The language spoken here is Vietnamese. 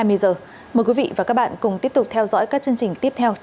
mời quý vị và các bạn cùng tiếp tục theo dõi các chương trình tiếp theo trên anntv